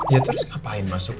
ya terus ngapain masuk